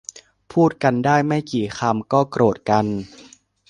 พูดกันได้ไม่กี่คำก็โกรธกัน